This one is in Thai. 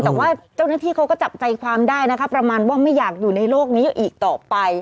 แต่ว่าเจ้าหน้าที่เขาก็จับใจความได้นะคะประมาณว่าไม่อยากอยู่ในโลกนี้อีกต่อไป